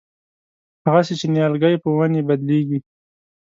هغسې چې نیالګی په ونې بدلېږي.